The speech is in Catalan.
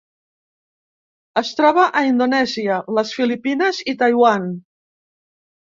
Es troba a Indonèsia, les Filipines i Taiwan.